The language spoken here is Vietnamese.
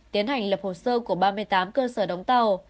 tiến hành lập hồ sơ của ba mươi tám cơ sở đóng tàu